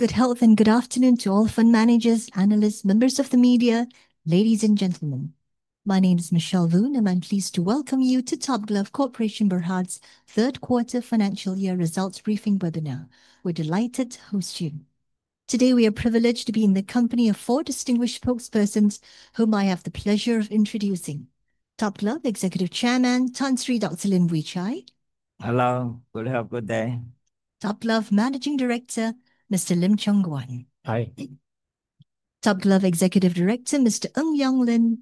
Good health and good afternoon to all fund managers, analysts, members of the media, ladies and gentlemen. My name is Michelle Voon, and I'm pleased to welcome you to Top Glove Corporation Berhad's Third Quarter Financial Year Results briefing webinar. We're delighted to host you. Today we are privileged to be in the company of four distinguished spokespersons whom I have the pleasure of introducing: Top Glove Executive Chairman, Tan Sri Dr Lim Wee Chai. Hello, good health, good day. Top Glove Managing Director, Mr. Lim Cheong Guan. Hi. Top Glove Executive Director, Mr. Ng Yong Lin,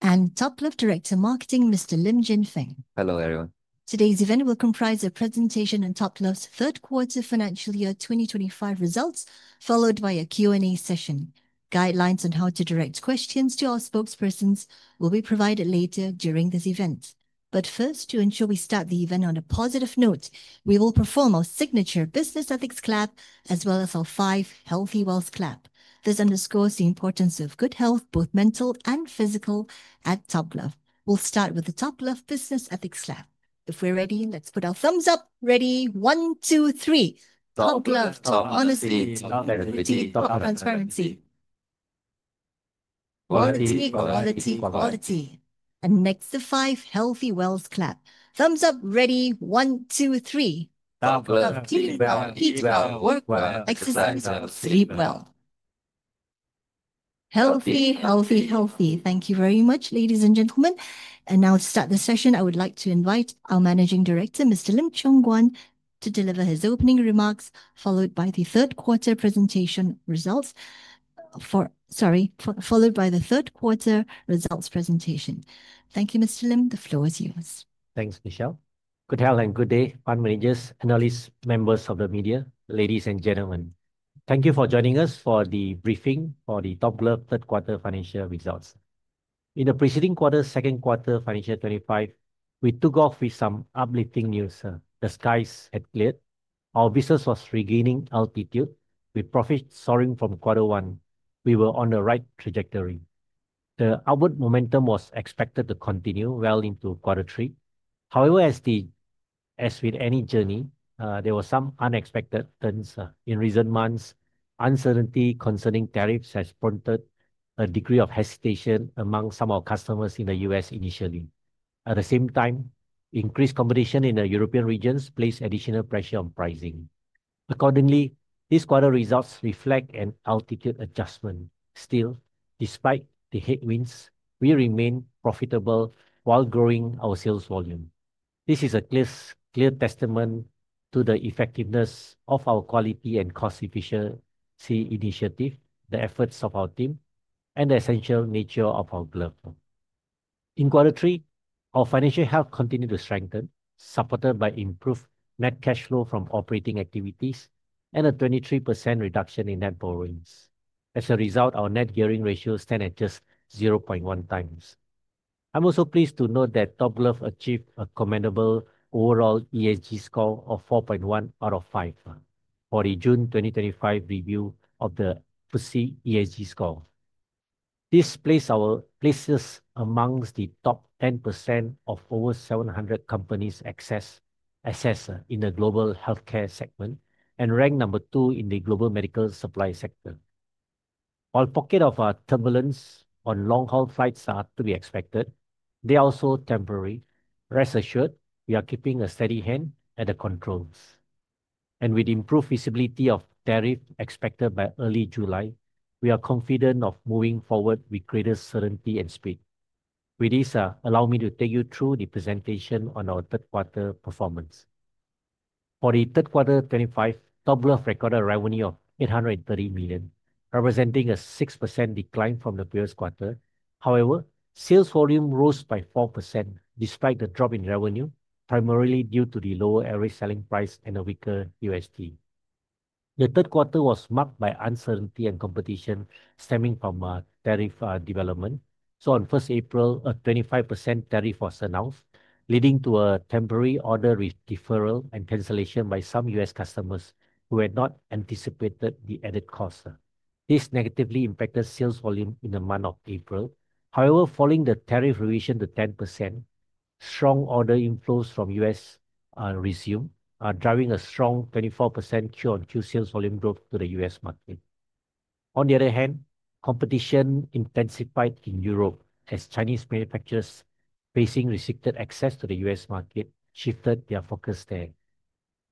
and Top Glove Director of Marketing, Mr. Lim Jin Feng. Hello everyone. Today's event will comprise a presentation on Top Glove's third quarter financial year 2025 results, followed by a Q&A session. Guidelines on how to direct questions to our spokespersons will be provided later during this event. First, to ensure we start the event on a positive note, we will perform our signature Business Ethics Clap, as well as our five Healthy Wealth Clap. This underscores the importance of good health, both mental and physical, at Top Glove. We'll start with the Top Glove Business Ethics Clap. If we're ready, let's put our thumbs up. Ready, one, two, three. Top Glove, top honesty, top equity, top transparency. Quality, quality, quality. Next, the five Healthy Wealth Clap. Thumbs up, ready, one, two, three. Top Glove, clean well, eat well, work well, exercise well, sleep well. Healthy, healthy, healthy. Thank you very much, ladies and gentlemen. Now to start the session, I would like to invite our Managing Director, Mr. Lim Cheong Guan, to deliver his opening remarks, followed by the third quarter results presentation. Thank you, Mr. Lim, the floor is yours. Thanks, Michelle. Good health and good day, fund managers, analysts, members of the media, ladies and gentlemen. Thank you for joining us for the briefing for the Top Glove Third Quarter Financial Results. In the preceding quarter, second quarter financial 2025, we took off with some uplifting news. The skies had cleared. Our business was regaining altitude. With profits soaring from quarter one, we were on the right trajectory. The upward momentum was expected to continue well into quarter three. However, as with any journey, there were some unexpected turns in recent months. Uncertainty concerning tariffs has prompted a degree of hesitation among some of our customers in the U.S. initially. At the same time, increased competition in the European regions placed additional pressure on pricing. Accordingly, these quarter results reflect an altitude adjustment. Still, despite the headwinds, we remain profitable while growing our sales volume. This is a clear testament to the effectiveness of our quality and cost efficiency initiative, the efforts of our team, and the essential nature of our glove. In quarter three, our financial health continued to strengthen, supported by improved net cash flow from operating activities and a 23% reduction in net borrowings. As a result, our net gearing ratio stands at just 0.1 times. I'm also pleased to note that Top Glove achieved a commendable overall ESG score of 4.1 out of 5 for the June 2025 review of the FTSE ESG score. This places us amongst the top 10% of over 700 companies assessed in the global healthcare segment and ranked number two in the global medical supply sector. While pockets of turbulence on long-haul flights are to be expected, they are also temporary. Rest assured, we are keeping a steady hand at the controls. With improved feasibility of tariffs expected by early July, we are confident of moving forward with greater certainty and speed. With this, allow me to take you through the presentation on our third quarter performance. For the third quarter 2025, Top Glove recorded a revenue of 830 million, representing a 6% decline from the previous quarter. However, sales volume rose by 4% despite the drop in revenue, primarily due to the lower average selling price and a weaker USD. The third quarter was marked by uncertainty and competition stemming from tariff development. On 1st April, a 25% tariff was announced, leading to a temporary order with deferral and cancellation by some U.S. customers who had not anticipated the added cost. This negatively impacted sales volume in the month of April. However, following the tariff revision to 10%, strong order inflows from the U.S. resumed, driving a strong 24% QoQ sales volume growth to the U.S. market. On the other hand, competition intensified in Europe as Chinese manufacturers facing restricted access to the U.S. market shifted their focus there.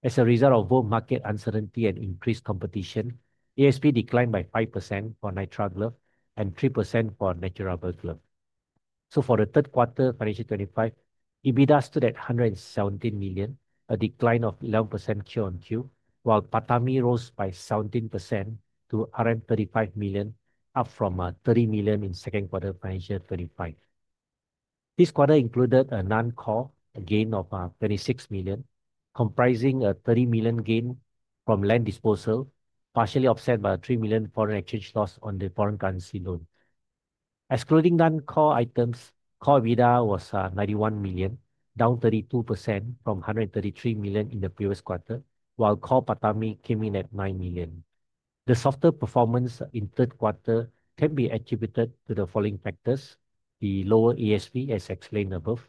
As a result of both market uncertainty and increased competition, ASP declined by 5% for nitrile gloves and 3% for natural gloves. For the third quarter financial 2025, EBITDA stood at 117 million, a decline of 11% QoQ, while PATAMI rose by 17% to 35 million, up from 30 million in second quarter financial 2025. This quarter included a non-core gain of 26 million, comprising a 30 million gain from land disposal, partially offset by a 3 million foreign exchange loss on the foreign currency loan. Excluding non-core items, core EBITDA was 91 million, down 32% from 133 million in the previous quarter, while core PATAMI came in at 9 million. The softer performance in third quarter can be attributed to the following factors: the lower ASP, as explained above;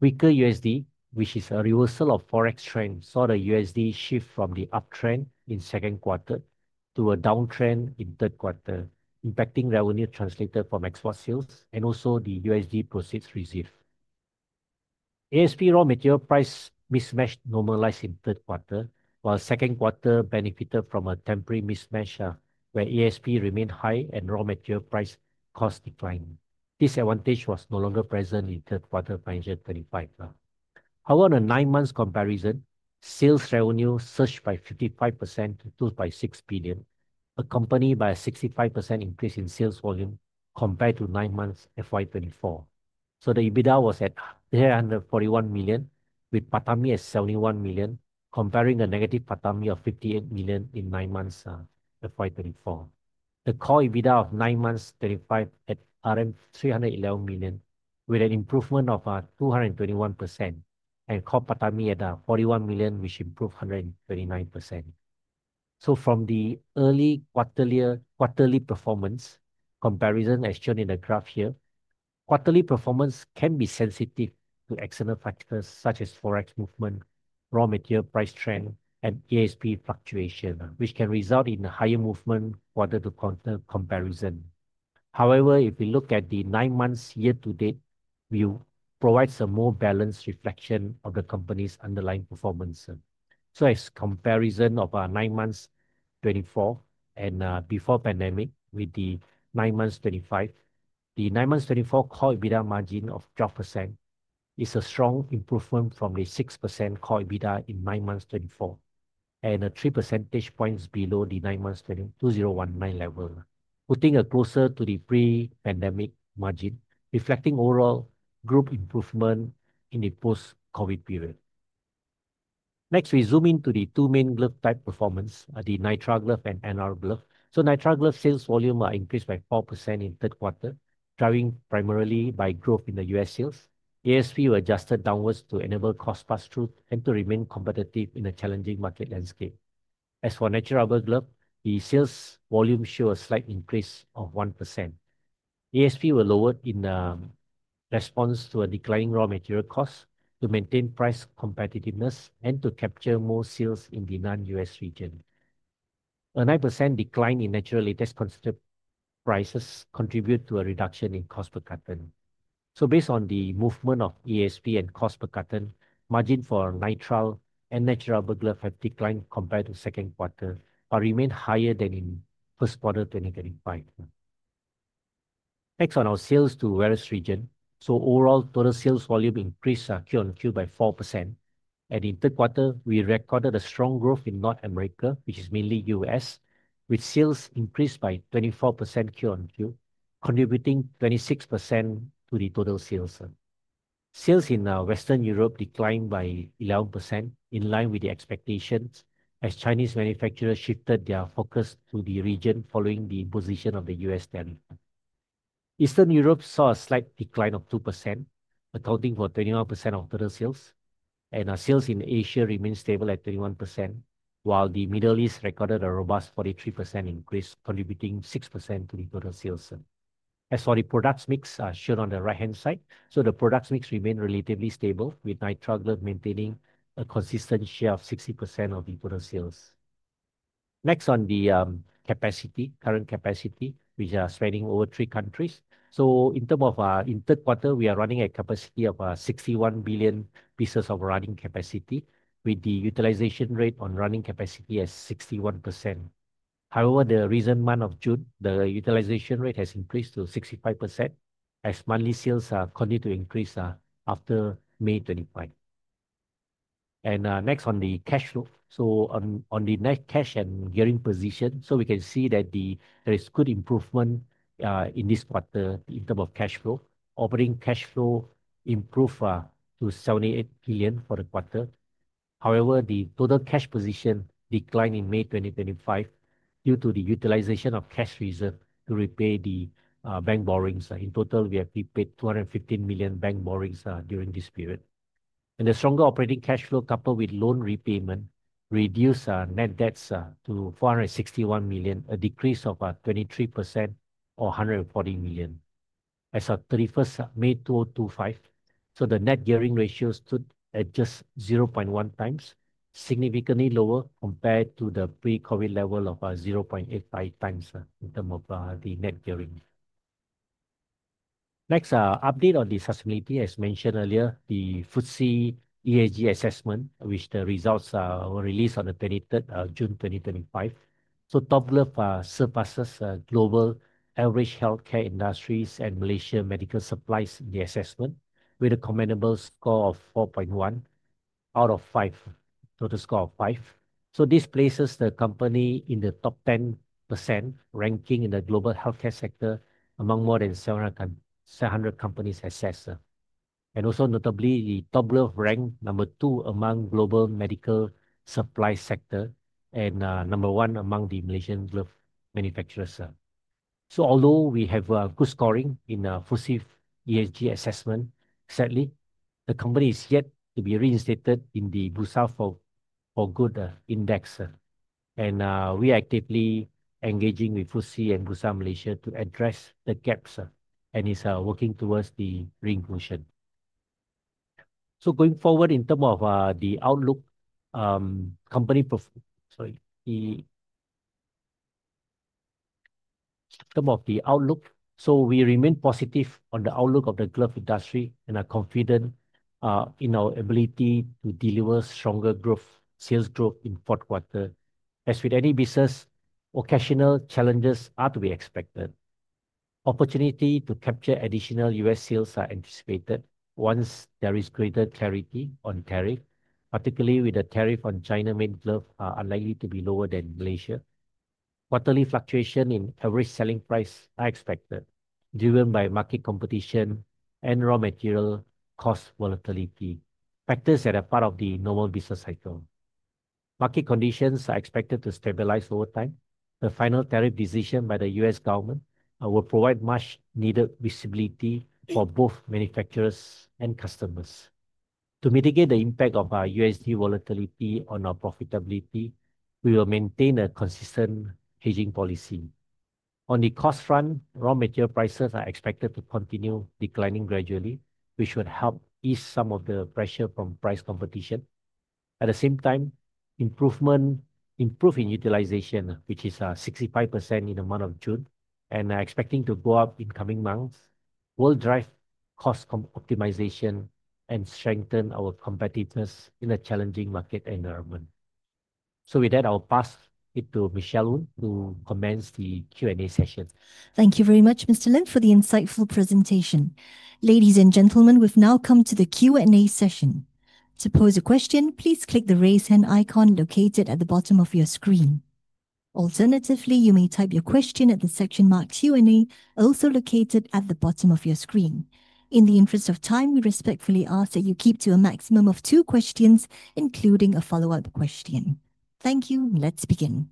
weaker USD, which is a reversal of forex trend, saw the USD shift from the uptrend in second quarter to a downtrend in third quarter, impacting revenue translated from export sales and also the USD proceeds received. ASP raw material price mismatch normalized in third quarter, while second quarter benefited from a temporary mismatch where ASP remained high and raw material price cost declined. This advantage was no longer present in third quarter financial 2025. However, on a nine-month comparison, sales revenue surged by 55% to 2.6 billion, accompanied by a 65% increase in sales volume compared to nine months FY2024. So, the EBITDA was at 341 million, with PATAMI at 71 million, comparing a negative PATAMI of 58 million in nine months FY2024. The core EBITDA of nine months FY2025 at MYR 311 million, with an improvement of 221%, and core PATAMI at 41 million, which improved 129%. So, from the early quarterly performance comparison, as shown in the graph here, quarterly performance can be sensitive to external factors such as forex movement, raw material price trend, and ASP fluctuation, which can result in a higher movement quarter-to-quarter comparison. However, if we look at the nine months year-to-date view, it provides a more balanced reflection of the company's underlying performance. As comparison of nine months 2024 and before pandemic with the nine months 2025, the nine months 2024 core EBITDA margin of 12% is a strong improvement from the 6% core EBITDA in nine months 2024 and a three percentage points below the nine months 2019 level, putting it closer to the pre-pandemic margin, reflecting overall group improvement in the post-COVID period. Next, we zoom into the two main glove type performance, the Nitrile Glove and NR Glove. Nitrile Glove's sales volume increased by 4% in third quarter, driven primarily by growth in the U.S. sales. ASP was adjusted downwards to enable cost pass-through and to remain competitive in a challenging market landscape. As for natural glove, the sales volume showed a slight increase of 1%. ASP was lowered in response to a declining raw material cost to maintain price competitiveness and to capture more sales in the non-U.S. region. A 9% decline in Nitrile's latest concept prices contributed to a reduction in cost per carton. Based on the movement of ASP and cost per carton, margin for Nitrile and Natural Glove have declined compared to second quarter, but remained higher than in first quarter 2025. Next, on our sales to various regions, overall total sales volume increased Q on Q by 4%. In third quarter, we recorded a strong growth in North America, which is mainly U.S., with sales increased by 24% Q on Q, contributing 26% to the total sales. Sales in Western Europe declined by 11%, in line with the expectations, as Chinese manufacturers shifted their focus to the region following the imposition of the U.S. tariff. Eastern Europe saw a slight decline of 2%, accounting for 21% of total sales, and our sales in Asia remained stable at 21%, while the Middle East recorded a robust 43% increase, contributing 6% to the total sales. As for the products mix, as shown on the right-hand side, the products mix remained relatively stable, with Nitrile Gloves maintaining a consistent share of 60% of the total sales. Next, on the capacity, current capacity, which is spreading over three countries. In terms of in third quarter, we are running a capacity of 61 billion pieces of running capacity, with the utilization rate on running capacity at 61%. However, the recent month of June, the utilization rate has increased to 65%, as monthly sales continue to increase after May 25. Next, on the cash flow, on the net cash and gearing position, we can see that there is good improvement in this quarter in terms of cash flow. Operating cash flow improved to 78 million for the quarter. However, the total cash position declined in May 2025 due to the utilization of cash reserve to repay the bank borrowings. In total, we have repaid 215 million bank borrowings during this period. The stronger operating cash flow coupled with loan repayment reduced net debts to 461 million, a decrease of 23% or 140 million. As of 31 May 2025, the net gearing ratio stood at just 0.1 times, significantly lower compared to the pre-COVID level of 0.85 times in terms of the net gearing. Next, update on the sustainability, as mentioned earlier, the FTSE ESG assessment, which the results were released on the 23rd of June 2025. Top Glove surpasses global average healthcare industries and Malaysian medical supplies in the assessment, with a commendable score of 4.1 out of 5, total score of 5. This places the company in the top 10% ranking in the global healthcare sector among more than 700 companies assessed. Also notably, Top Glove ranked number two among global medical supply sector and number one among the Malaysian glove manufacturers. Although we have a good scoring in the FTSE ESG assessment, sadly, the company is yet to be reinstated in the Bursa for Good Index. We are actively engaging with FTSE and Bursa Malaysia to address the gaps and is working towards the reinclusion. Going forward in terms of the outlook, company performance, sorry, in terms of the outlook, we remain positive on the outlook of the glove industry and are confident in our ability to deliver stronger sales growth in the fourth quarter. As with any business, occasional challenges are to be expected. Opportunity to capture additional U.S. sales are anticipated once there is greater clarity on tariff, particularly with the tariff on China-made glove unlikely to be lower than Malaysia. Quarterly fluctuation in average selling price are expected, driven by market competition and raw material cost volatility, factors that are part of the normal business cycle. Market conditions are expected to stabilize over time. The final tariff decision by the U.S. government will provide much-needed visibility for both manufacturers and customers. To mitigate the impact of USD volatility on our profitability, we will maintain a consistent hedging policy. On the cost front, raw material prices are expected to continue declining gradually, which would help ease some of the pressure from price competition. At the same time, improvement, improved in utilization, which is 65% in the month of June and expecting to go up in coming months, will drive cost optimization and strengthen our competitiveness in a challenging market environment. With that, I'll pass it to Michelle Voon to commence the Q&A session. Thank you very much, Mr. Lim, for the insightful presentation. Ladies and gentlemen, we've now come to the Q&A session. To pose a question, please click the raise hand icon located at the bottom of your screen. Alternatively, you may type your question at the section marked Q&A, also located at the bottom of your screen. In the interest of time, we respectfully ask that you keep to a maximum of two questions, including a follow-up question. Thank you. Let's begin.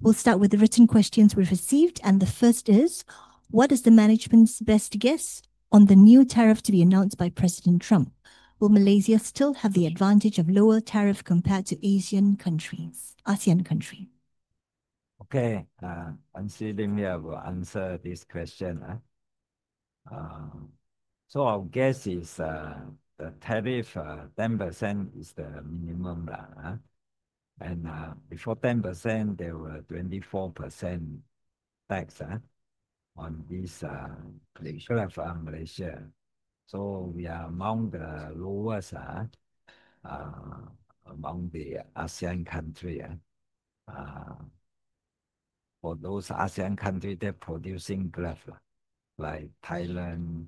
We'll start with the written questions we've received, and the first is, what is the management's best guess on the new tariff to be announced by President Trump? Will Malaysia still have the advantage of lower tariff compared to Asian countries, ASEAN countries? Okay, Tan Sri Dr. Lim Wee Chai will answer this question. So, our guess is the tariff 10% is the minimum. And before 10%, there were 24% tax on this for Malaysia. We are among the lowest among the ASEAN countries. For those ASEAN countries, they're producing gloves, like Thailand,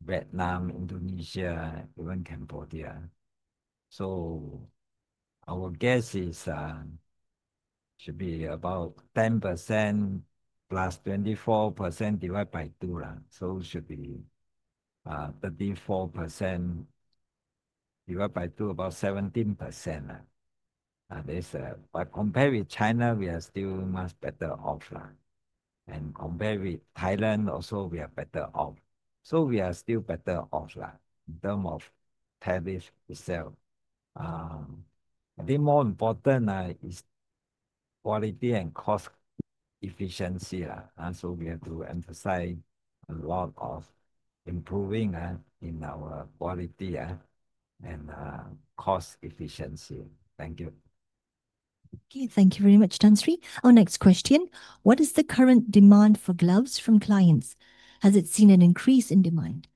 Vietnam, Indonesia, even Cambodia. Our guess should be about 10% plus 24% divided by two. It should be 34% divided by two, about 17%. Compared with China, we are still much better off. Compared with Thailand, also we are better off. We are still better off in terms of tariff itself. I think more important is quality and cost efficiency. We have to emphasize a lot of improving in our quality and cost efficiency. Thank you. Thank you very much, Tan Sri. Our next question, what is the current demand for gloves from clients? Has it seen an increase in demand?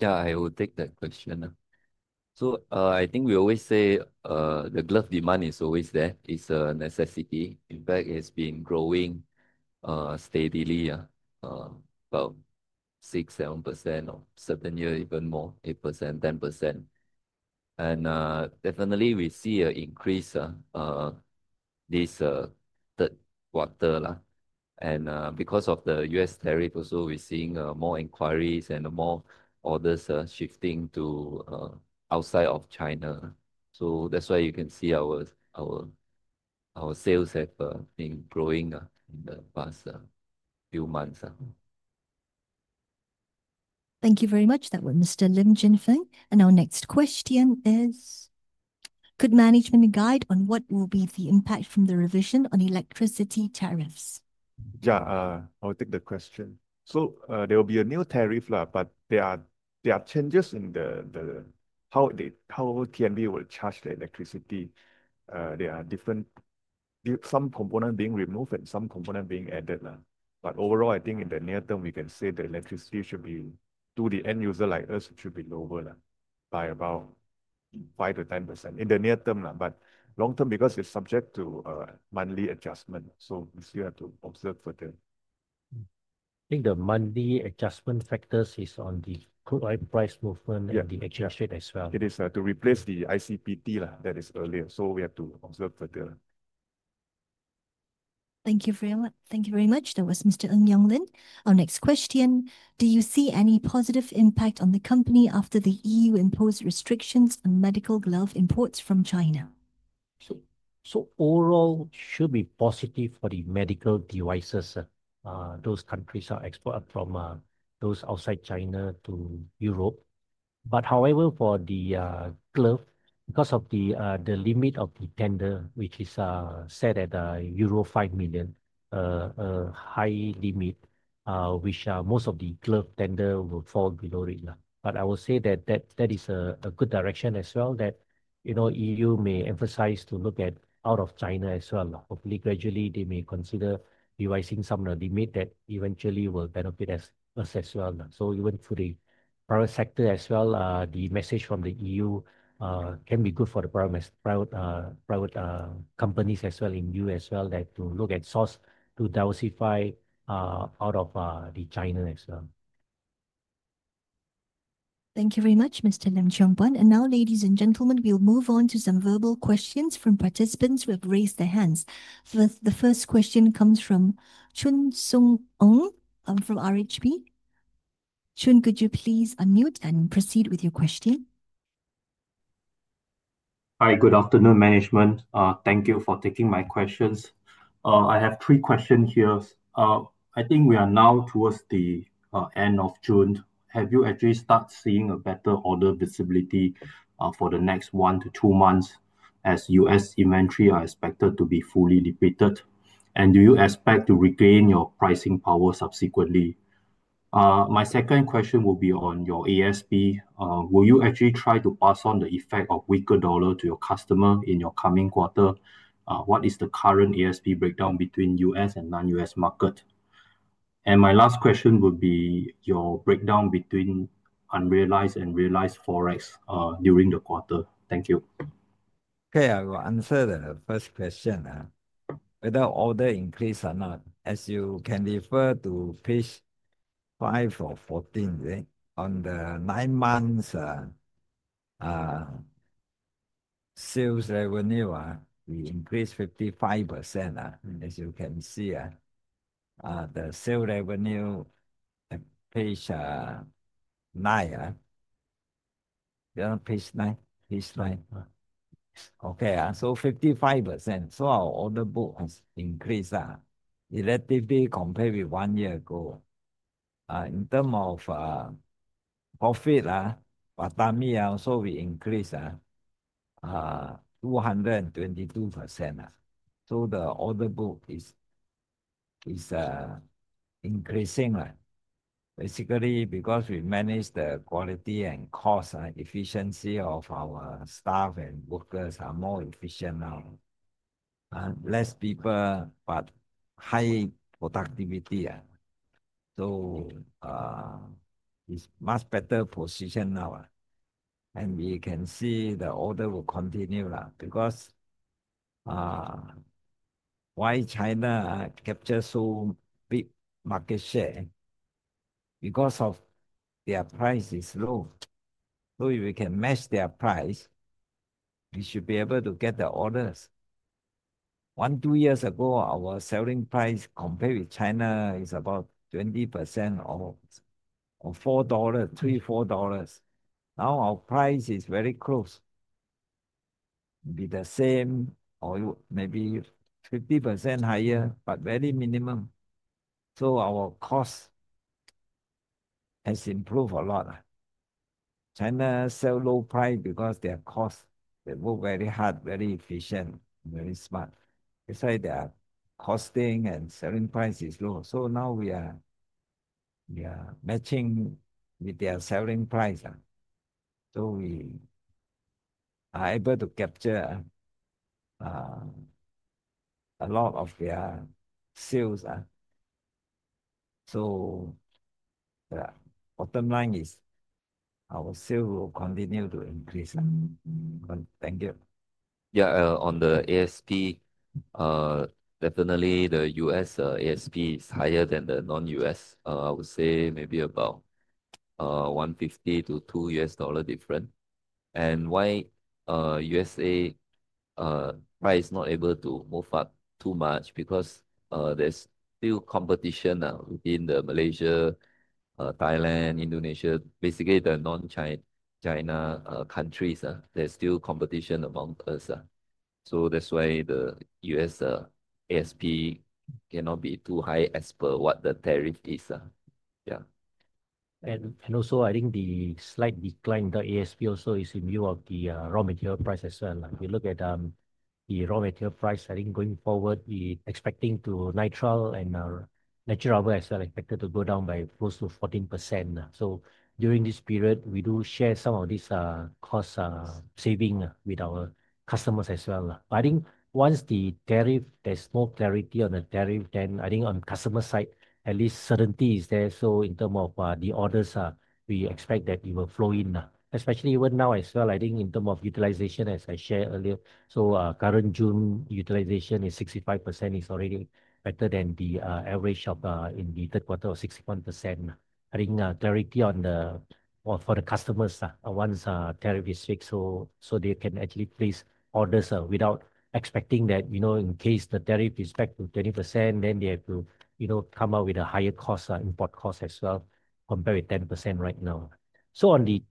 Yeah, I will take that question. I think we always say the glove demand is always there. It's a necessity. In fact, it has been growing steadily, about 6-7%, or certain years even more, 8%, 10%. We definitely see an increase this third quarter. Because of the U.S. tariff, also we're seeing more inquiries and more orders shifting to outside of China. That's why you can see our sales have been growing in the past few months. Thank you very much. That was Mr. Lim Jin Feng. Our next question is, could management guide on what will be the impact from the revision on electricity tariffs? Yeah, I'll take the question. There will be a new tariff, but there are changes in how TNB will charge the electricity. There are some components being removed and some components being added. Overall, I think in the near term, we can say the electricity should be to the end user like us, it should be lower by about 5%-10% in the near term. Long term, because it's subject to monthly adjustment, we still have to observe further. I think the monthly adjustment factors is on the crude oil price movement and the exchange rate as well. It is to replace the ICPT that is earlier. We have to observe further. Thank you very much. That was Mr. Ng Yong Lin. Our next question, do you see any positive impact on the company after the EU imposed restrictions on medical glove imports from China? Overall, it should be positive for the medical devices. Those countries are exporting from those outside China to Europe. However, for the glove, because of the limit of the tender, which is set at euro 5 million, a high limit, which most of the glove tender will fall below it. I will say that that is a good direction as well, that you know the EU may emphasize to look at out of China as well. Hopefully, gradually, they may consider revising some of the limit that eventually will benefit us as well. Even for the private sector as well, the message from the EU can be good for the private companies as well in the U.S. as well, that to look at source to diversify out of China as well. Thank you very much, Mr. Lim Cheong Guan. Now, ladies and gentlemen, we'll move on to some verbal questions from participants who have raised their hands. The first question comes from Chun Sung Oong from RHB. Chun, could you please unmute and proceed with your question? Hi, good afternoon, management. Thank you for taking my questions. I have three questions here. I think we are now towards the end of June. Have you actually started seeing a better order visibility for the next one to two months as U.S. inventory are expected to be fully depleted? Do you expect to regain your pricing power subsequently? My second question will be on your ASP. Will you actually try to pass on the effect of weaker dollar to your customer in your coming quarter? What is the current ASP breakdown between U.S. and non-U.S. market? And my last question would be your breakdown between unrealized and realized forex during the quarter. Thank you. Okay, I will answer the first question. Whether order increase or not, as you can refer to page 5 or 14, on the nine months' sales revenue, we increased 55%, as you can see. The sales revenue page 9. Page 9. Okay, 55%. Our order book has increased relatively compared with one year ago. In terms of profit, PATAMI also we increased 222%. The order book is increasing. Basically, because we managed the quality and cost efficiency of our staff and workers are more efficient now. Less people, but high productivity. It is a much better position now. We can see the order will continue because why China captures so big market share? Their price is low. If we can match their price, we should be able to get the orders. One, two years ago, our selling price compared with China is about 20% or $4, $3, $4. Now, our price is very close. It would be the same or maybe 50% higher, but very minimum. Our cost has improved a lot. China sells low price because their cost, they work very hard, very efficient, very smart. Their costing and selling price is low. Now we are matching with their selling price. We are able to capture a lot of their sales. The bottom line is our sales will continue to increase. Thank you. Yeah, on the ASP, definitely the U.S. ASP is higher than the non-U.S. I would say maybe about $1.50 to $2 U.S. dollar difference. Why U.S.A. price is not able to move up too much? Because there's still competition within Malaysia, Thailand, Indonesia, basically the non-China countries. There's still competition among us. That's why the U.S. ASP cannot be too high as per what the tariff is. Yeah. I think the slight decline in the ASP also is in view of the raw material price as well. If you look at the raw material price, I think going forward, we're expecting nitrile and natural rubber as well expected to go down by close to 14%. During this period, we do share some of this cost saving with our customers as well. I think once the tariff, there's more clarity on the tariff, then I think on customer side, at least certainty is there. In terms of the orders, we expect that it will flow in. Especially even now as well, I think in terms of utilization, as I shared earlier. Current June utilization is 65%, which is already better than the average in the third quarter of 61%. I think clarity for the customers once tariff is fixed, so they can actually place orders without expecting that, you know, in case the tariff is back to 20%, then they have to, you know, come up with a higher cost, import cost as well, compared with 10% right now. On the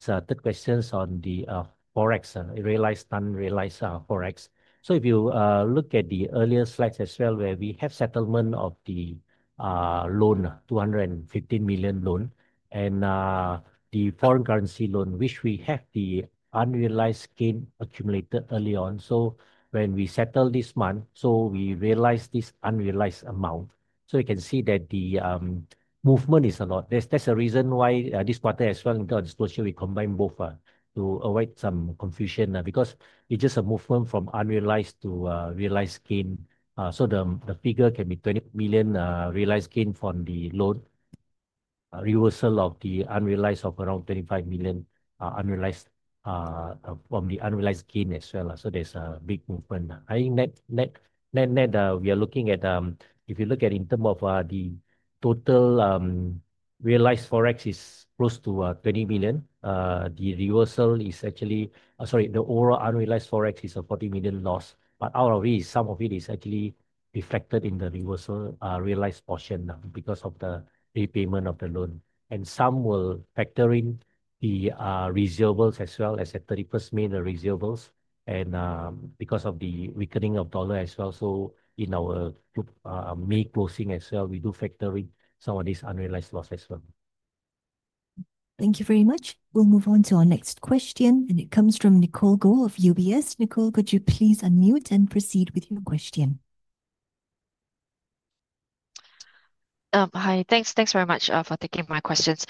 third question on the forex, realized unrealized forex. If you look at the earlier slides as well, where we have settlement of the loan, 215 million loan, and the foreign currency loan, which we have the unrealized gain accumulated early on. When we settle this month, we realize this unrealized amount. You can see that the movement is a lot. There is a reason why this quarter as well, in terms of disclosure, we combined both to avoid some confusion because it is just a movement from unrealized to realized gain. The figure can be 20 million realized gain from the loan reversal of the unrealized of around 25 million unrealized from the unrealized gain as well. There is a big movement. I think net net, net net, we are looking at, if you look at in terms of the total realized forex, it is close to 20 million. The reversal is actually, sorry, the overall unrealized forex is a 40 million loss. But out of it, some of it is actually reflected in the reversal realized portion because of the repayment of the loan. Some will factor in the reservables as well as the 31st May, the reservables. Because of the weakening of dollar as well. In our May closing as well, we do factor in some of these unrealized loss as well. Thank you very much. We'll move on to our next question. It comes from Nicole Goh of UBS. Nicole, could you please unmute and proceed with your question? Hi, thanks. Thanks very much for taking my questions.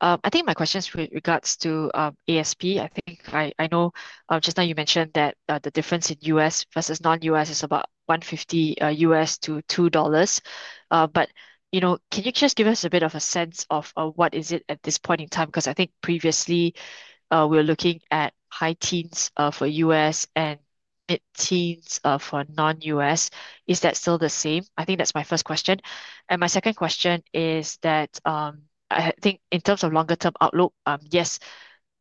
I think my question is with regards to ASP. I think I know just now you mentioned that the difference in U.S. versus non-U.S. is about $1.50 to $2. But, you know, can you just give us a bit of a sense of what is it at this point in time? Because I think previously we were looking at high teens for U.S. and mid-teens for non-U.S. Is that still the same? I think that's my first question. My second question is that I think in terms of longer-term outlook, yes,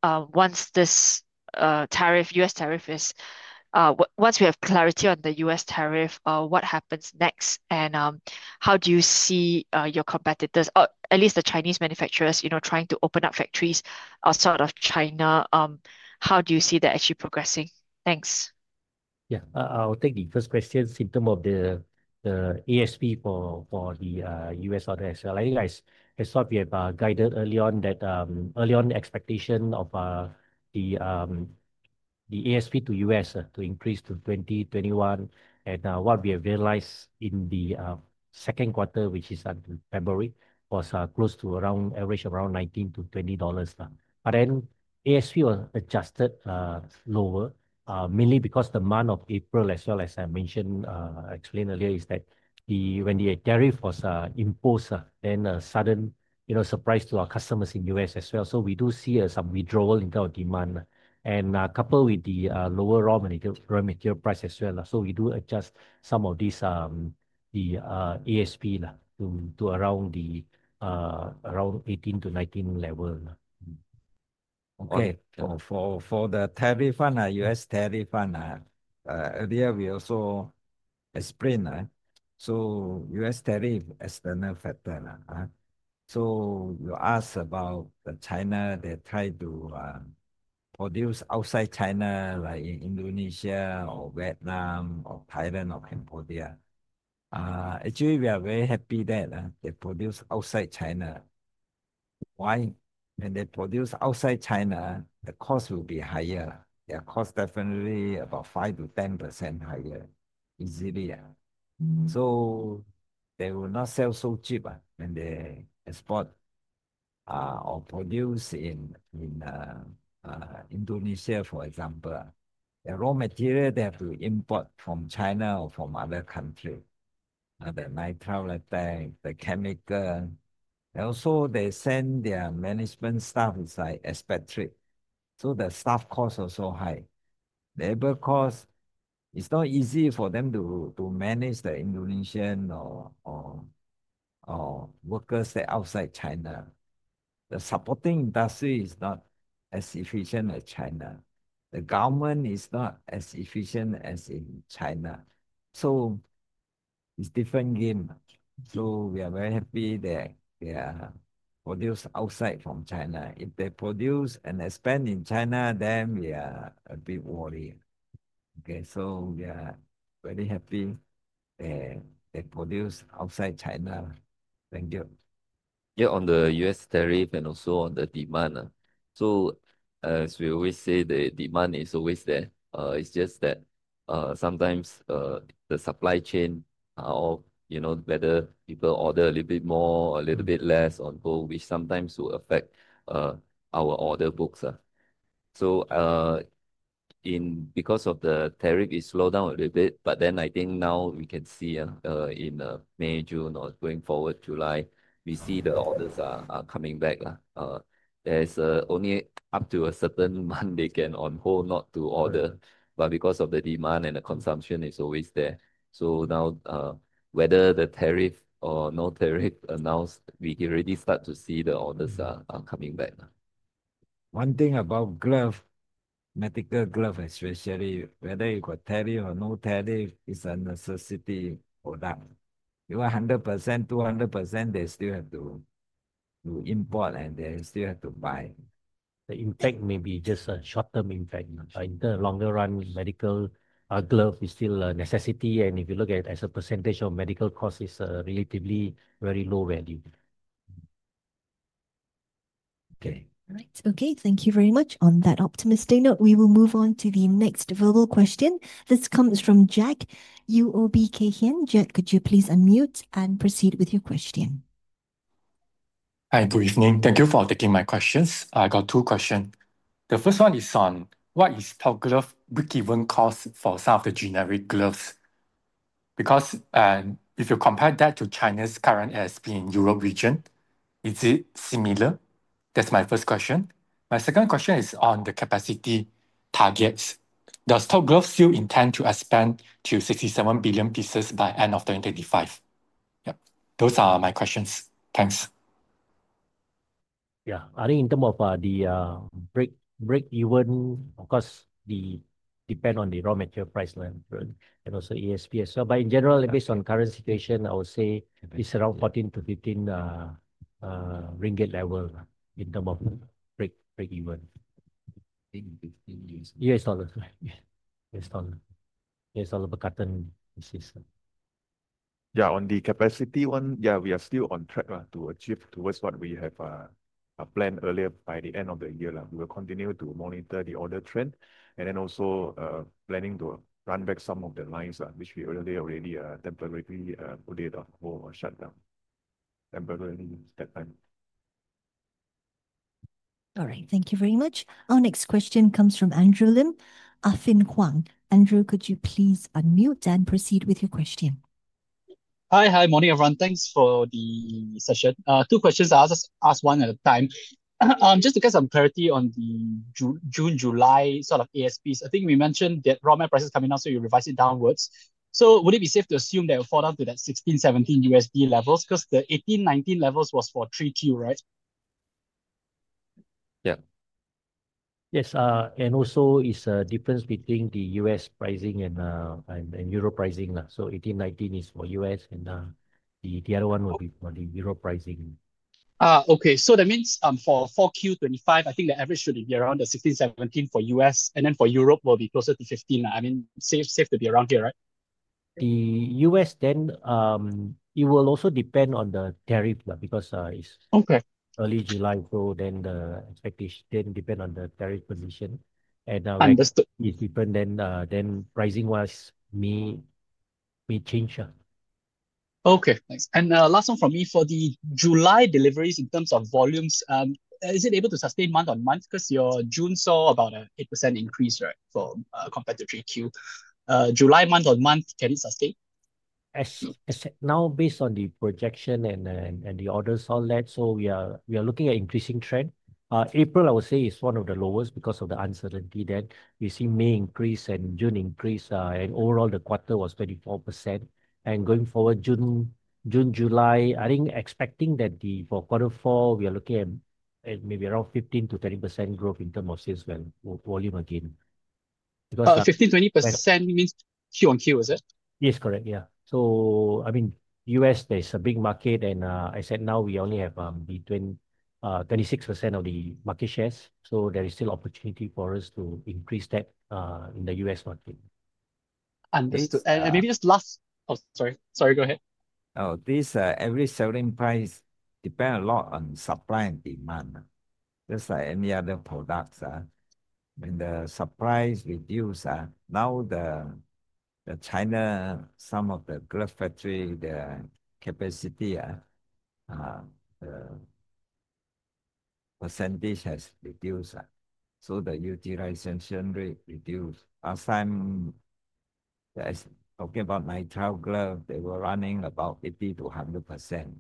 once this tariff, U.S. tariff is, once we have clarity on the U.S. tariff, what happens next? How do you see your competitors, or at least the Chinese manufacturers, you know, trying to open up factories outside of China? How do you see that actually progressing? Thanks. Yeah, I'll take the first question in terms of the ASP for the U.S. order as well. I think I thought we have guided early on that early on expectation of the ASP to U.S. to increase to $20, $21. What we have realized in the second quarter, which is February, was close to around average around $19-$20. ASP was adjusted lower, mainly because the month of April, as well as I mentioned, I explained earlier, is that when the tariff was imposed, then a sudden, you know, surprise to our customers in the U.S. as well. We do see some withdrawal in terms of demand, and coupled with the lower raw material price as well. We do adjust some of these, the ASP to around the around $18-$19 level. Okay, for the tariff fund, U.S. tariff fund, earlier we also explained. U.S. tariff as a factor. You asked about the China, they try to produce outside China, like in Indonesia or Vietnam or Thailand or Cambodia. Actually, we are very happy that they produce outside China. Why? When they produce outside China, the cost will be higher. Their cost definitely about 5%-10% higher easily. They will not sell so cheap when they export or produce in Indonesia, for example. The raw material, they have to import from China or from other countries. The nitrile, the tank, the chemical. Also, they send their management staff is like expatriate. The staff costs are so high. Labor costs, it's not easy for them to manage the Indonesian or workers that are outside China. The supporting industry is not as efficient as China. The government is not as efficient as in China. It's a different game. We are very happy that they produce outside from China. If they produce and expand in China, then we are a bit worried. We are very happy that they produce outside China. Thank you. Yeah, on the U.S. tariff and also on the demand. As we always say, the demand is always there. It's just that sometimes the supply chain or, you know, whether people order a little bit more or a little bit less on gold, which sometimes will affect our order books. Because of the tariff, it slowed down a little bit. I think now we can see in May, June, or going forward, July, we see the orders are coming back. There's only up to a certain month they can on hold not to order. Because of the demand and the consumption, it's always there. Now, whether the tariff or no tariff announced, we can already start to see the orders are coming back. One thing about glove, medical glove especially, whether you got tariff or no tariff, it is a necessity product. You are 100%, 200%, they still have to import and they still have to buy. The impact may be just a short-term impact. In the longer run, medical glove is still a necessity. If you look at it as a percentage of medical costs, it is a relatively very low value. Okay. All right. Okay, thank you very much on that optimistic note. We will move on to the next verbal question. This comes from Jack, UOB Kay Hian. Jack, could you please unmute and proceed with your question? Hi, good evening. Thank you for taking my questions. I got two questions. The first one is on what is Top Glove given cost for some of the generic gloves? Because if you compare that to China's current ASP in Europe region, is it similar? That's my first question. My second question is on the capacity targets. Does Top Glove still intend to expand to 67 billion pieces by end of 2025? Yep. Those are my questions. Thanks. Yeah, I think in terms of the break-even, of course, depend on the raw material price and also ASP as well. But in general, based on current situation, I would say it's around 14 to 15 ringgit level in terms of break-even. per carton pieces. Yeah, on the capacity one, yeah, we are still on track to achieve towards what we have planned earlier by the end of the year. We will continue to monitor the order trend. Then also planning to run back some of the lines which we earlier already temporarily put on hold or shut down temporarily at that time. All right. Thank you very much. Our next question comes from Andrew Lim, Affin Hwang. Andrew, could you please unmute and proceed with your question? Hi, hi, morning everyone. Thanks for the session. Two questions. I'll just ask one at a time. Just to get some clarity on the June, July sort of ASPs, I think we mentioned that raw material prices are coming down, so you revised it downwards. Would it be safe to assume that it will fall down to that $16-$17 USD levels? Because the $18-$19 levels was for 3Q, right? Yeah. Yes. And also, it's a difference between the U.S. pricing and the Euro pricing. $18, $19 is for U.S. and the other one will be for the Euro pricing. Okay, that means for 4Q 2025, I think the average should be around $16-$17 for U.S. And then for Europe, it will be closer to $15. I mean, safe to be around here, right? The U.S., then it will also depend on the tariff because it is early July. The expectation then depends on the tariff condition. Understood. It is different, then pricing may change. Okay, thanks. Last one from me, for the July deliveries in terms of volumes. Is it able to sustain month on month? Because your June saw about an 8% increase, right, compared to 3Q. July month on month, can it sustain? Now, based on the projection and the orders, we are looking at an increasing trend. April, I would say, is one of the lowest because of the uncertainty. Then we see May increase and June increase. Overall, the quarter was 24%. Going forward, June, July, I think expecting that for quarter four, we are looking at maybe around 15%-30% growth in terms of sales volume again. 15%, 20% means Q on Q, is it? Yes, correct. Yeah. I mean, U.S., there's a big market. I said now we only have between 26% of the market shares. There is still opportunity for us to increase that in the U.S. market. Understood. Maybe just last, oh, sorry, go ahead. Oh, this average selling price depends a lot on supply and demand, just like any other products. When the supply reduces, now the China, some of the glove factory, the capacity, the percentage has reduced. The utilization rate reduced. Last time, talking about nitrile glove, they were running about 50%-100%.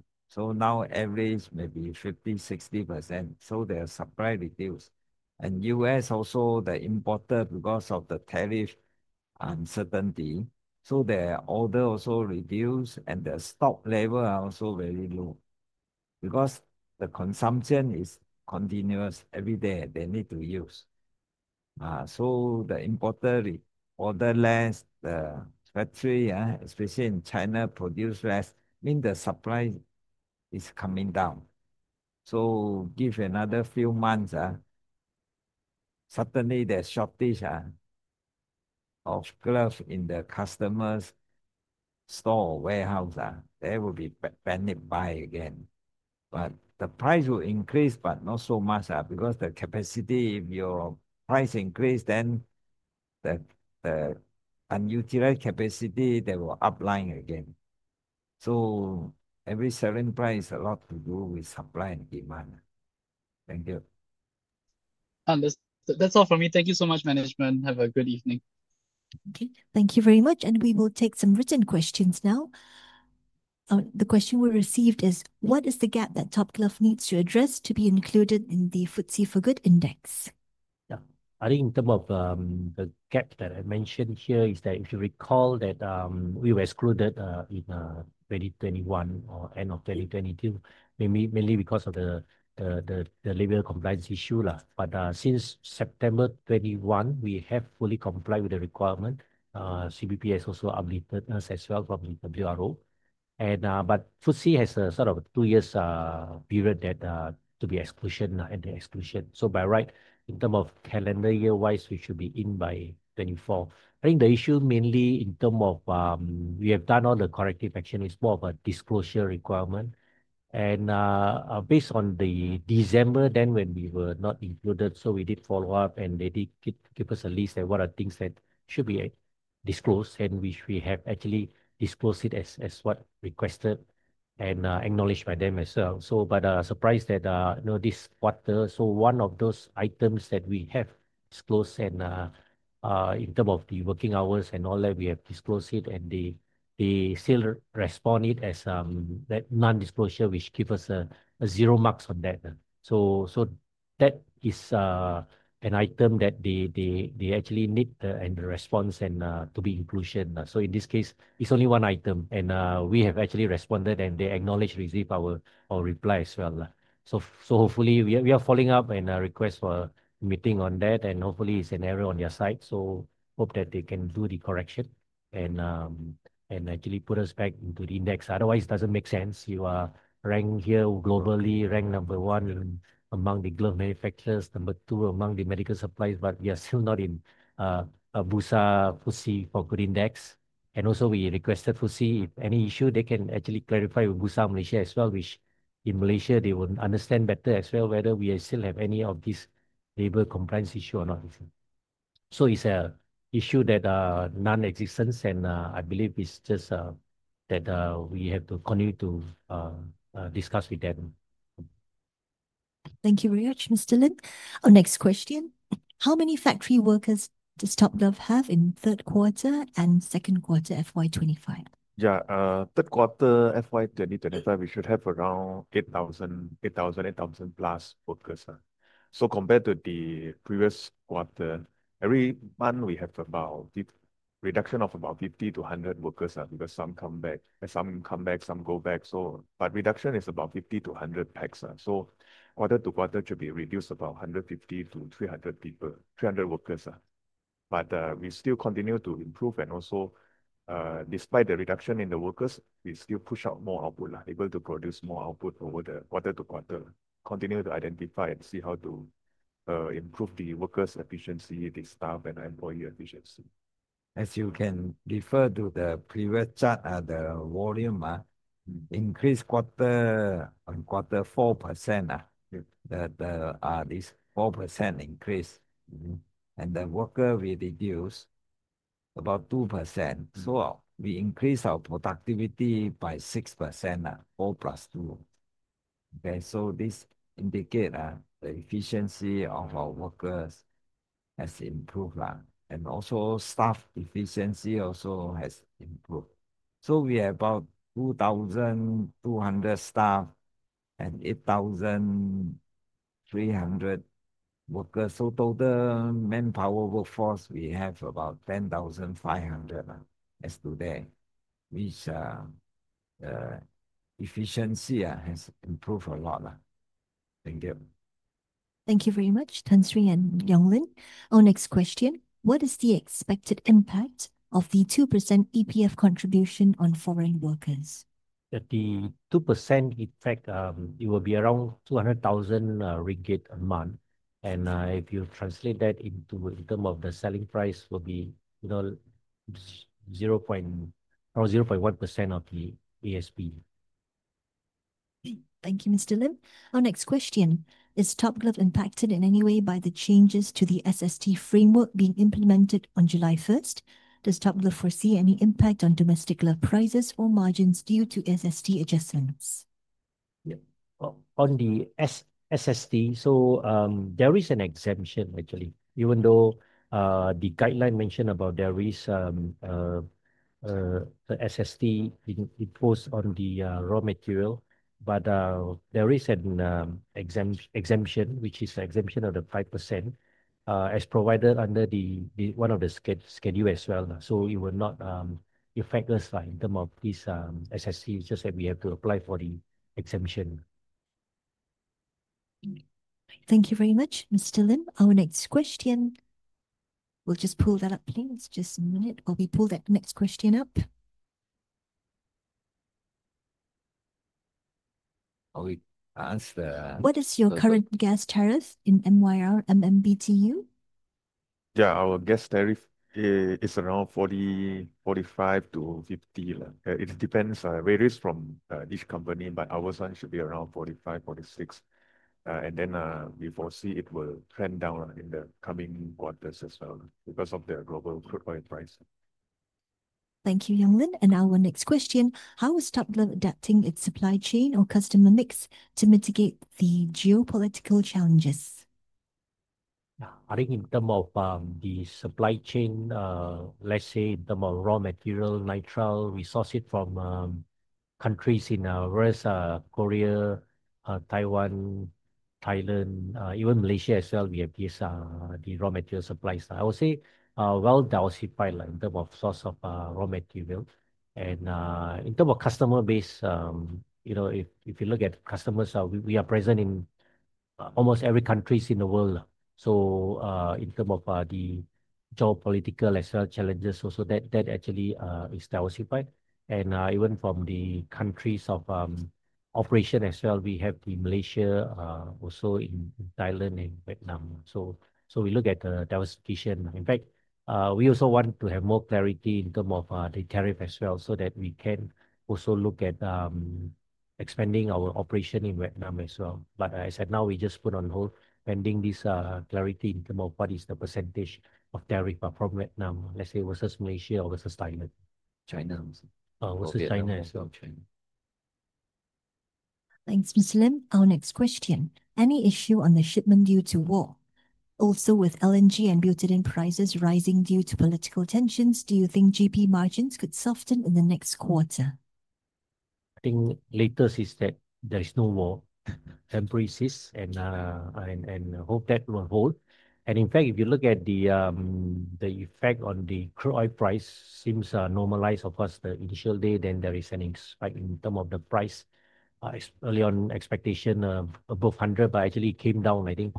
Now average maybe 50%-60%. Their supply reduced. U.S. also, the importer, because of the tariff uncertainty, their order also reduced. The stock level is also very low because the consumption is continuous every day. They need to use. The importer order less, the factory, especially in China, produce less. Mean the supply is coming down. Give another few months, suddenly there is shortage of gloves in the customer's store or warehouse. They will be banned by again. The price will increase, but not so much because the capacity, if your price increase, then the unutilized capacity, they will upline again. Every selling price is a lot to do with supply and demand. Thank you. That's all from me. Thank you so much, management. Have a good evening. Okay, thank you very much. We will take some written questions now. The question we received is, what is the gap that Top Glove needs to address to be included in the FTSE4Good Index? Yeah, I think in terms of the gap that I mentioned here is that if you recall that we were excluded in 2021 or end of 2022, mainly because of the labor compliance issue. But since September 2021, we have fully complied with the requirement. CBP has also updated us as well from the WRO. FTSE has a sort of a two-year period to be exclusion and the exclusion. By right, in terms of calendar year-wise, we should be in by 2024. I think the issue mainly in terms of we have done all the corrective action. It's more of a disclosure requirement. Based on the December, then when we were not included, we did follow up and they did give us a list of what are things that should be disclosed and which we have actually disclosed as requested and acknowledged by them as well. I was surprised that this quarter, one of those items that we have disclosed in terms of the working hours and all that, we have disclosed it and they still responded as that non-disclosure, which gives us zero marks on that. That is an item that they actually need and the response and to be inclusion. In this case, it is only one item and we have actually responded and they acknowledged, received our reply as well. Hopefully we are following up and request for meeting on that and hopefully it is an error on your side. Hope that they can do the correction and actually put us back into the index. Otherwise, it doesn't make sense. You are ranked here globally, ranked number one among the glove manufacturers, number two among the medical supplies, but we are still not in Bursa FTSE4Good Index. Also, we requested FTSE, if any issue, they can actually clarify with Bursa Malaysia as well, which in Malaysia, they would understand better as well whether we still have any of these labor compliance issues or not. It is an issue that is non-existent and I believe it is just that we have to continue to discuss with them. Thank you very much, Mr. Lim. Our next question. How many factory workers does Top Glove have in third quarter and second quarter FY2025? Yeah, third quarter FY2025, we should have around 8,000, 8,000, 8,000 plus workers. Compared to the previous quarter, every month we have a reduction of about 50-100 workers because some come back, some go back. The reduction is about 50-100 pax. Quarter to quarter should be reduced about 150-300 people, 300 workers. We still continue to improve and also, despite the reduction in the workers, we still push out more output, able to produce more output over the quarter to quarter. Continue to identify and see how to improve the workers' efficiency, the staff and employee efficiency. As you can refer to the previous chart, the volume increased quarter-on-quarter 4%. That is 4% increase. The worker we reduced about 2%. We increased our productivity by 6%, 4% plus 2%. This indicates the efficiency of our workers has improved. Staff efficiency also has improved. We have about 2,200 staff and 8,300 workers. Total manpower workforce, we have about 10,500 as of today, which efficiency has improved a lot. Thank you. Thank you very much, Tan Sri and Yong Lin. Our next question. What is the expected impact of the 2% EPF contribution on foreign workers? The 2% impact, it will be around 200,000 ringgit a month. If you translate that in terms of the selling price, it will be 0.1% of the ASP. Thank you, Mr. Lim. Our next question. Is Top Glove impacted in any way by the changes to the SST framework being implemented on July 1? Does Top Glove foresee any impact on domestic glove prices or margins due to SST adjustments? Yeah, on the SST, there is an exemption actually, even though the guideline mentioned about there is SST imposed on the raw material, but there is an exemption, which is an exemption of the 5% as provided under one of the schedule as well. It will not affect us in terms of this SST, just that we have to apply for the exemption. Thank you very much, Mr. Lim. Our next question. We'll just pull that up, please. Just a minute while we pull that next question up. What is your current gas tariff in MYR, MMBTU? Yeah, our gas tariff is around 40-45 to 50. It depends, varies from each company, but ours should be around 45-46. We foresee it will trend down in the coming quarters as well because of the global crude oil price. Thank you, Yong Lin. Our next question. How is Top Glove adapting its supply chain or customer mix to mitigate the geopolitical challenges? I think in terms of the supply chain, let's say in terms of raw material, nitrile, we source it from countries in Korea, Taiwan, Thailand, even Malaysia as well, we have these raw material supplies. I would say well diversified in terms of source of raw material. And in terms of customer base, you know, if you look at customers, we are present in almost every country in the world. In terms of the geopolitical as well challenges, that actually is diversified. Even from the countries of operation as well, we have Malaysia, also in Thailand and Vietnam. We look at the diversification. In fact, we also want to have more clarity in terms of the tariff as well so that we can also look at expanding our operation in Vietnam as well. As I said, now we just put on hold pending this clarity in terms of what is the percentage of tariff from Vietnam, let's say versus Malaysia or versus Thailand. Versus China as well. Thanks, Mr. Lim. Our next question. Any issue on the shipment due to war? Also with LNG and butadiene prices rising due to political tensions, do you think GP margins could soften in the next quarter? I think latest is that there is no war. Temporary cease and hope that will hold. In fact, if you look at the effect on the crude oil price, it seems normalized. Of course, the initial day, then there is an increase in terms of the price. Early on, expectation above 100, but actually it came down. I think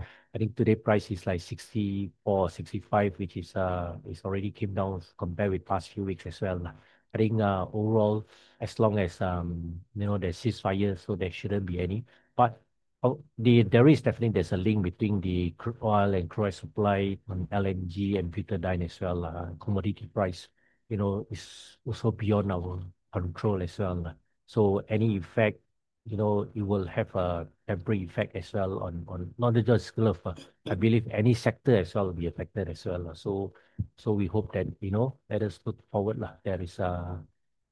today price is like 64, 65, which is already came down compared with past few weeks as well. I think overall, as long as there is cease fire, there should not be any. There is definitely a link between the crude oil and crude oil supply on LNG and butadiene as well. Commodity price, you know, is also beyond our control as well. Any effect, you know, it will have a temporary effect as well on not just glove. I believe any sector as well will be affected as well. We hope that, you know, let us look forward. There is no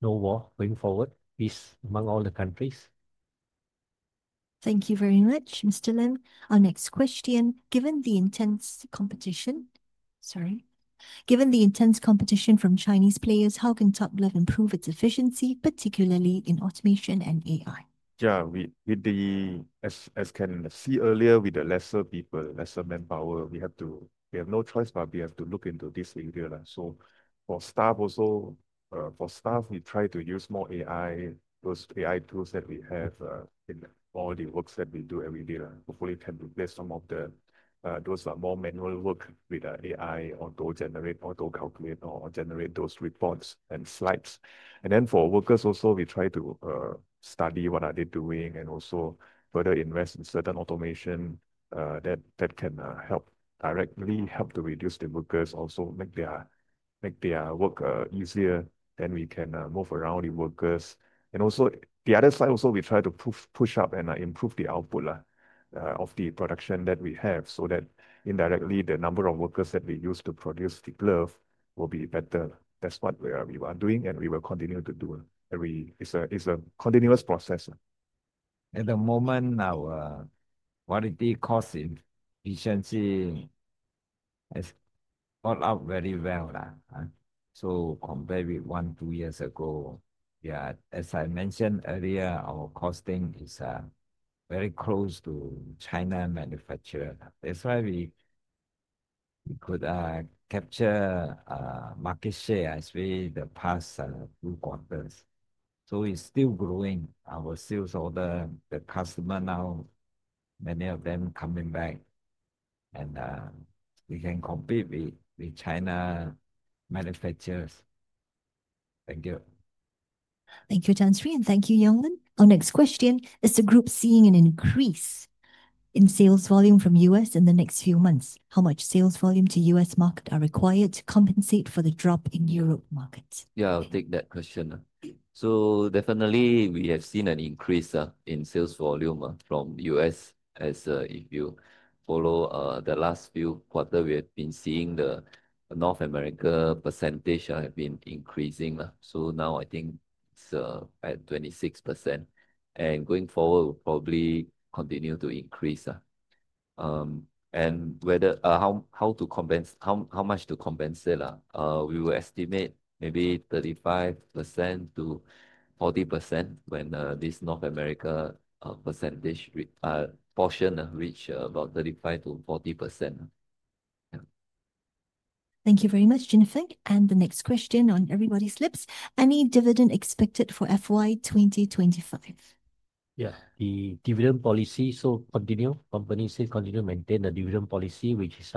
war going forward among all the countries. Thank you very much, Mr. Lim. Our next question. Given the intense competition, sorry, given the intense competition from Chinese players, how can Top Glove improve its efficiency, particularly in automation and AI? Yeah, as can see earlier, with the lesser people, lesser manpower, we have to, we have no choice, but we have to look into this area. For staff also, for staff, we try to use more AI, those AI tools that we have in all the works that we do every day. Hopefully, it can replace some of those more manual work with AI, auto generate, auto calculate, or generate those reports and slides. For workers also, we try to study what they are doing and also further invest in certain automation that can directly help to reduce the workers, also make their work easier. We can move around the workers. On the other side, we try to push up and improve the output of the production that we have so that indirectly the number of workers that we use to produce the glove will be better. That is what we are doing and we will continue to do. It is a continuous process. At the moment, our quality cost efficiency has gone up very well. Compared with one or two years ago, as I mentioned earlier, our costing is very close to China manufacturer. That is why we could capture market share as we did the past two quarters. It is still growing. Our sales order, the customer now, many of them coming back and we can compete with China manufacturers. Thank you. Thank you, Tan Sri, and thank you, Yong Lin. Our next question. Is the group seeing an increase in sales volume from U.S. in the next few months? How much sales volume to U.S. market are required to compensate for the drop in Europe markets? Yeah, I'll take that question. Definitely we have seen an increase in sales volume from U.S. as if you follow the last few quarters, we have been seeing the North America percentage have been increasing. Now I think it's at 26%. Going forward, we'll probably continue to increase. Whether, how to compensate, how much to compensate, we will estimate maybe 35%-40% when this North America percentage portion reach about 35%-40%. Thank you very much, Jin Feng. The next question on everybody's lips. Any dividend expected for FY2025? Yeah, the dividend policy. The company said continue to maintain the dividend policy, which is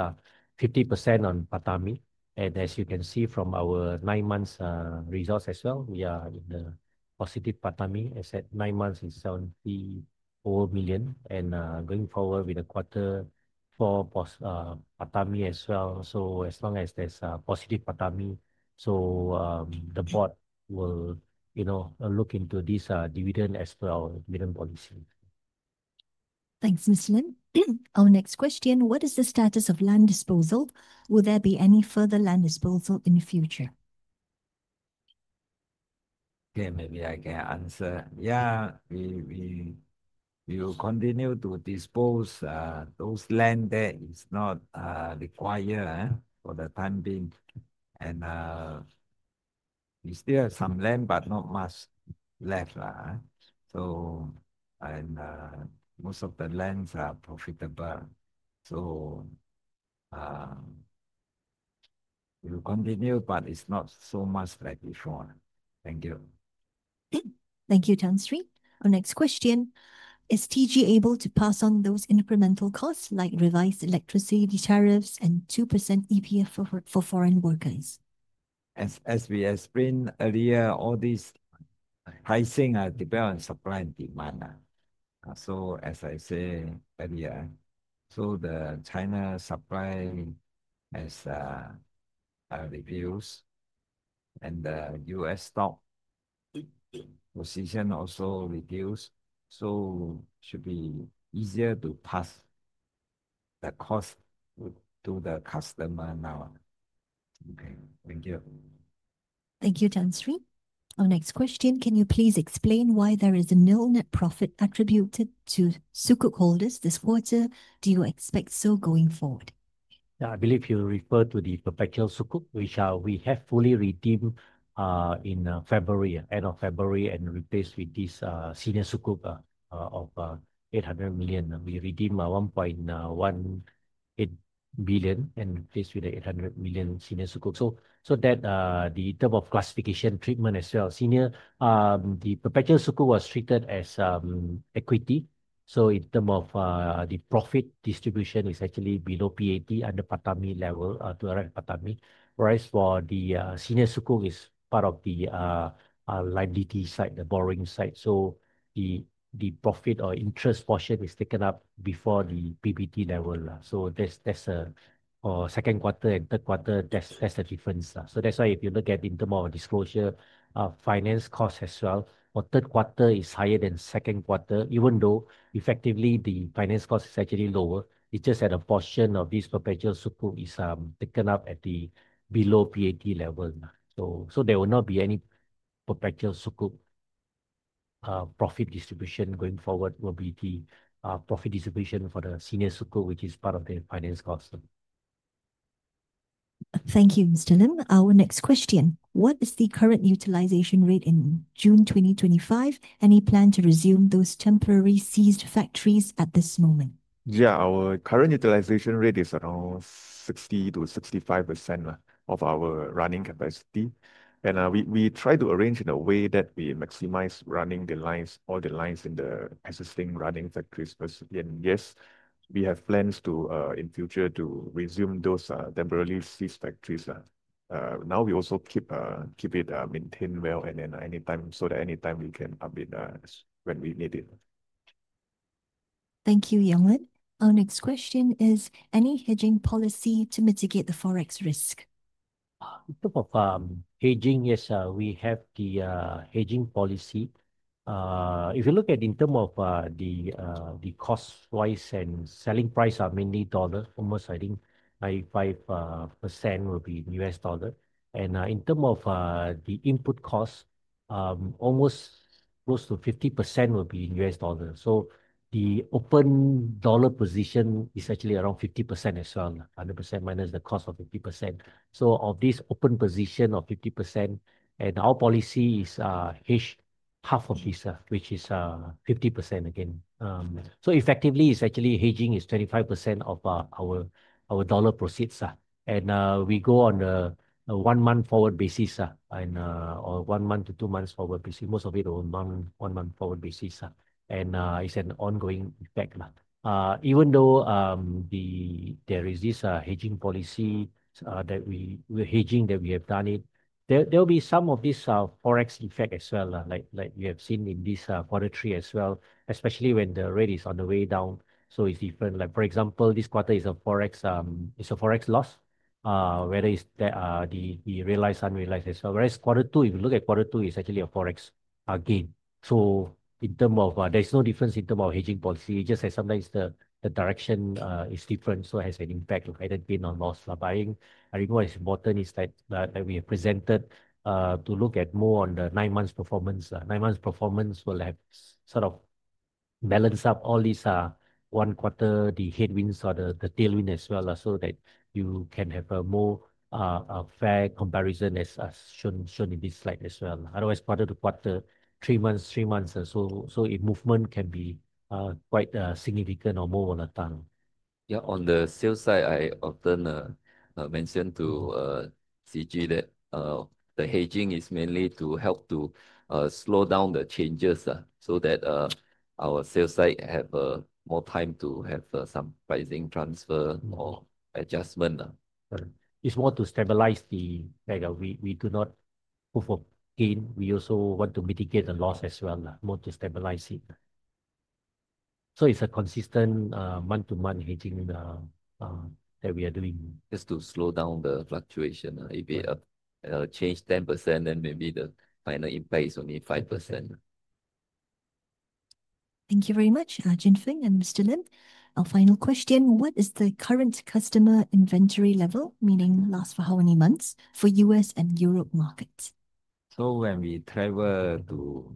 50% on PATAMI. As you can see from our nine months results as well, we are in the positive PATAMI. As I said, nine months is 74 million. Going forward with the quarter four PATAMI as well. As long as there is a positive PATAMI, the board will, you know, look into this dividend as well, dividend policy. Thanks, Mr. Lim. Our next question. What is the status of land disposal? Will there be any further land disposal in the future? Maybe I can answer. We will continue to dispose those land that is not required for the time being. We still have some land, but not much left. Most of the lands are profitable. We will continue, but it's not so much like before. Thank you. Thank you, Tan Sri. Our next question. Is TG able to pass on those incremental costs like revised electricity tariffs and 2% EPF for foreign workers? As we explained earlier, all these pricing are dependent on supply and demand. As I said earlier, the China supply has reduced and the U.S. stock position also reduced. It should be easier to pass the cost to the customer now. Okay, thank you. Thank you, Tan Sri. Our next question. Can you please explain why there is a nil net profit attributed to Sukuk holders this quarter? Do you expect so going forward? Yeah, I believe you refer to the Perpetual Sukuk, which we have fully redeemed in February, end of February, and replaced with this Senior Sukuk of 800 million. We redeemed 1.18 billion and replaced with the 800 million Senior Sukuk. So that the term of classification treatment as well. Senior, the Perpetual Sukuk was treated as equity. So in terms of the profit distribution, it's actually below PAT under PATAMI level, 200 PATAMI. Whereas for the Senior Sukuk, it is part of the liability side, the borrowing side. So the profit or interest portion is taken up before the PBT level. That's a second quarter and third quarter, that's the difference. That's why if you look at in terms of disclosure, finance cost as well, for third quarter is higher than second quarter, even though effectively the finance cost is actually lower. It's just that a portion of this Perpetual Sukuk is taken up at the below PAT level. There will not be any Perpetual Sukuk profit distribution going forward. It will be the profit distribution for the Senior Sukuk, which is part of the finance cost. Thank you, Mr. Lim. Our next question. What is the current utilization rate in June 2025? Any plan to resume those temporary seized factories at this moment? Yeah, our current utilization rate is around 60%-65% of our running capacity. We try to arrange in a way that we maximize running the lines, all the lines in the existing running factories. Yes, we have plans to in future to resume those temporarily seized factories. We also keep it maintained well so that anytime we can update when we need it. Thank you, Yong Lin. Our next question is any hedging policy to mitigate the forex risk? In terms of hedging, yes, we have the hedging policy. If you look at in terms of the cost price and selling price, are mainly dollar, almost I think 95% will be in US dollar. And in terms of the input cost, almost close to 50% will be in US dollar. The open dollar position is actually around 50% as well, 100% minus the cost of 50%. Of this open position of 50%, our policy is hedge half of this, which is 50% again. Effectively, it's actually hedging is 25% of our dollar proceeds. We go on a one month forward basis and or one month to two months forward basis, most of it on one month forward basis. It's an ongoing effect. Even though there is this hedging policy that we have done, there will be some of this forex effect as well, like you have seen in this quarter three as well, especially when the rate is on the way down. It is different. Like for example, this quarter is a forex loss, whether it is the realized or unrealized as well. Whereas quarter two, if you look at quarter two, it is actually a forex gain. There is no difference in terms of hedging policy, it is just that sometimes the direction is different, so it has an impact on loss by buying. I think what is important is that we have presented to look at more on the nine months performance. Nine months performance will have sort of balance up all these one quarter, the head wins or the tail wins as well, so that you can have a more fair comparison as shown in this slide as well. Otherwise, quarter to quarter, three months, three months. The movement can be quite significant or more volatile. Yeah, on the sales side, I often mentioned to CG that the hedging is mainly to help to slow down the changes so that our sales side have more time to have some pricing transfer or adjustment. It's more to stabilize the back. We do not hope for gain. We also want to mitigate the loss as well, more to stabilize it. It's a consistent month to month hedging that we are doing. Just to slow down the fluctuation. If we change 10%, then maybe the final impact is only 5%. Thank you very much, Jin Feng and Mr. Lim. Our final question, what is the current customer inventory level, meaning last for how many months for U.S. and Europe markets? When we travel to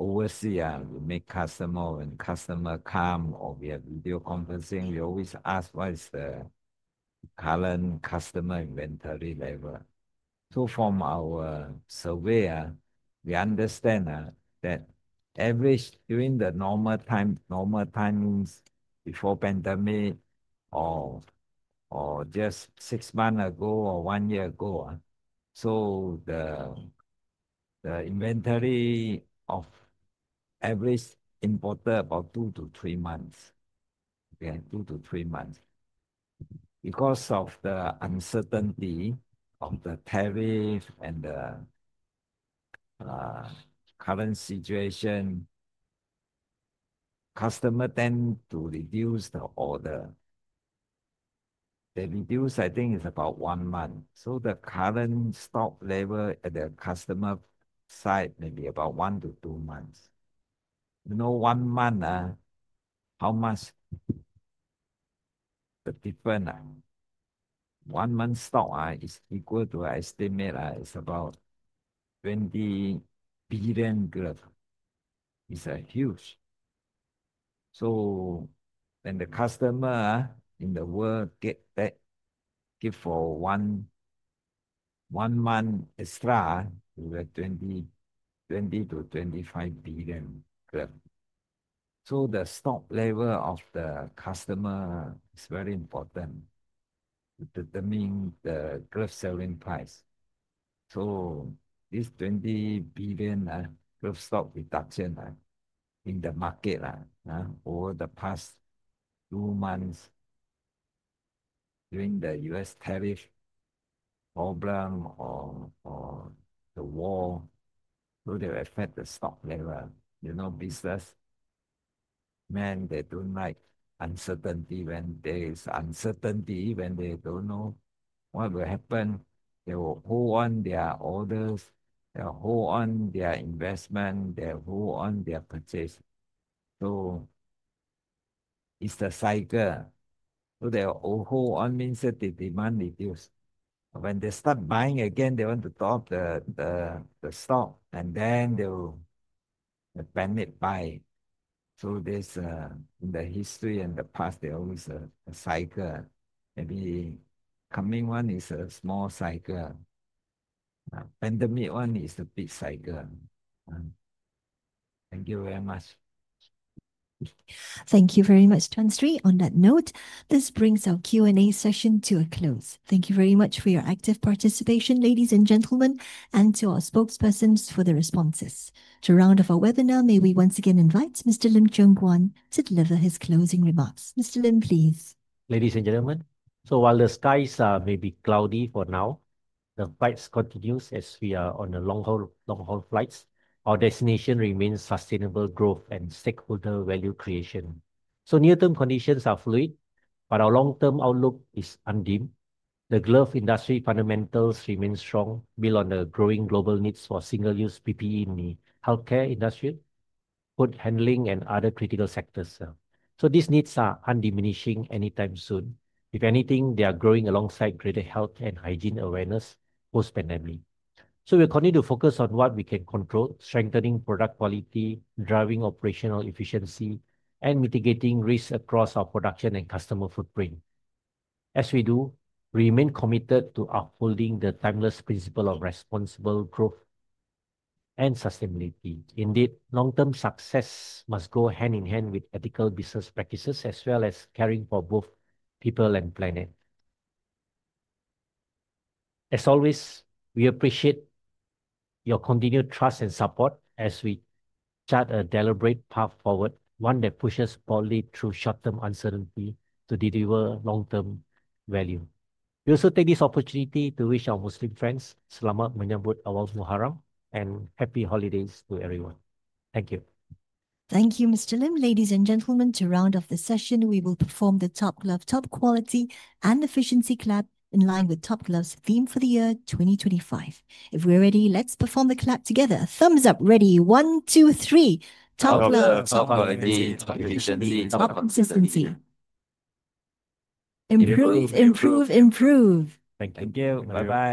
overseas, we meet customer and customer come, or we have video conferencing, we always ask what is the current customer inventory level. From our survey, we understand that average during the normal time, normal times before pandemic or just six months ago or one year ago, the inventory of average importer about two to three months, two to three months. Because of the uncertainty of the tariff and the current situation, customer tend to reduce the order. They reduce, I think it's about one month. The current stock level at the customer side may be about one to two months. You know, one month, how much the difference? One month stock is equal to, I estimate it's about 20 billion glove. It's huge. When the customer in the world gets that gift for one month extra, it will be 20-25 billion glove. The stock level of the customer is very important to determine the glove selling price. This 20 billion glove stock reduction in the market over the past two months during the U.S. tariff problem or the war, they will affect the stock level. You know, business men, they don't like uncertainty. When there is uncertainty, when they don't know what will happen, they will hold on their orders, they'll hold on their investment, they'll hold on their purchase. It's the cycle. They'll hold on means that the demand reduces. When they start buying again, they want to top the stock, and then they'll bend it by. There's in the history and the past, there's always a cycle. Maybe coming one is a small cycle. Pandemic one is a big cycle. Thank you very much. Thank you very much, Tan Sri. On that note, this brings our Q&A session to a close. Thank you very much for your active participation, ladies and gentlemen, and to our spokespersons for the responses. To round off our webinar, may we once again invite Mr. Lim Cheong Guan to deliver his closing remarks. Mr. Lim, please. Ladies and gentlemen, while the skies are maybe cloudy for now, the fights continue as we are on the long-haul flights. Our destination remains sustainable growth and stakeholder value creation. Near-term conditions are fluid, but our long-term outlook is undeemed. The glove industry fundamentals remain strong, built on the growing global needs for single-use PPE in the healthcare industry, food handling, and other critical sectors. These needs are undiminishing anytime soon. If anything, they are growing alongside greater health and hygiene awareness post-pandemic. We continue to focus on what we can control, strengthening product quality, driving operational efficiency, and mitigating risks across our production and customer footprint. As we do, we remain committed to upholding the timeless principle of responsible growth and sustainability. Indeed, long-term success must go hand in hand with ethical business practices as well as caring for both people and planet. As always, we appreciate your continued trust and support as we chart a deliberate path forward, one that pushes broadly through short-term uncertainty to deliver long-term value. We also take this opportunity to wish our Muslim friends Selamat Menyambut Awwal Muharram and happy holidays to everyone. Thank you. Thank you, Mr. Lim. Ladies and gentlemen, to round off the session, we will perform the Top Glove Top Quality and Efficiency Clap in line with Top Glove's theme for the year 2025. If we're ready, let's perform the clap together. Thumbs up, ready? One, two, three. Top Glove. Top Quality. Top Efficiency. Top Consistency. Improve, improve, improve. Thank you. Bye-bye.